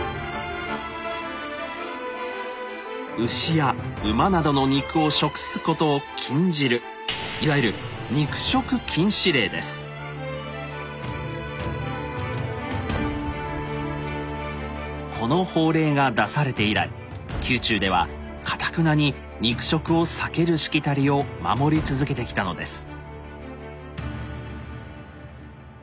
牛や馬などの肉を食すことを禁じるいわゆるこの法令が出されて以来宮中ではかたくなに肉食を避けるしきたりを守り続けてきたのです。